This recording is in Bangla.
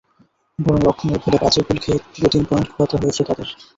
বরং রক্ষণের ভুলে বাজে গোল খেয়েই পুরো তিন পয়েন্ট খোয়াতে হয়েছে তাদের।